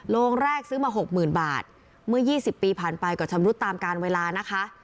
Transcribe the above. โรงแรกซื้อมาหกหมื่นบาทเมื่อ๒๐ปีผ่านไปก็ชำรุดตามการเวลานะคะ